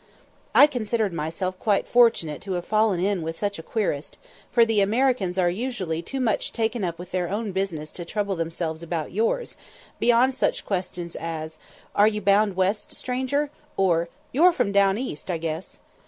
I considered myself quite fortunate to have fallen in with such a querist, for the Americans are usually too much taken up with their own business to trouble themselves about yours, beyond such questions as, "Are you bound west, stranger?" or, "You're from down east, I guess."